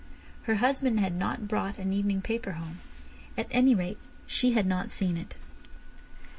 Her husband had not brought an evening paper home. At any rate she had not seen it.